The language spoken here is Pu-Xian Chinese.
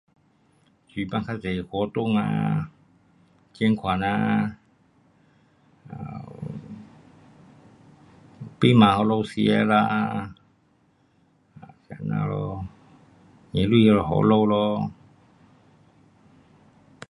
主办较多活动啊，捐款呐，um 买东西给他们吃啊，这这样咯，提钱给他们咯。